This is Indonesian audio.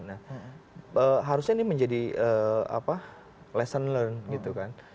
nah harusnya ini menjadi lesson learned gitu kan